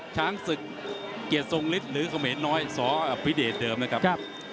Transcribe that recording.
ช้างศึกเกียรติทรงฤทธิ์หรือเขมรน้อยสอพิเดชเดิมนะครับ